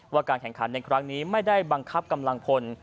การแข่งขันในครั้งนี้ไม่ได้บังคับกำลังพล